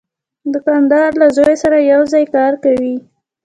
دوکاندار له زوی سره یو ځای کار کوي.